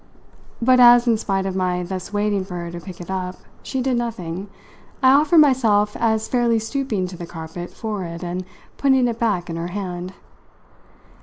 But as, in spite of my thus waiting for her to pick it up she did nothing, I offered myself as fairly stooping to the carpet for it and putting it back in her hand.